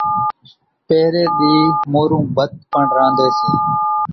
پۿري ۮي مورون ڀت پڻ رانڌي سي